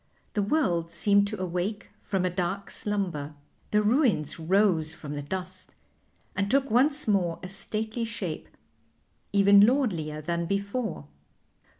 The world seemed to awake from a dark slumber. The ruins rose from the dust and took once more a stately shape, even lordlier than before.